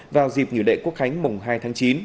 vào dịp nghỉ lễ quốc khánh mùng hai tháng chín